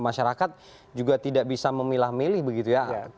masyarakat juga tidak bisa memilah milih begitu ya